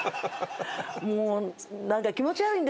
もう何か気持ち悪いんです。